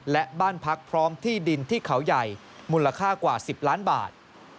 และบ้านพักพร้อมที่ดินที่เขาใหญ่มูลค่ากว่า๑๐ล้านบาท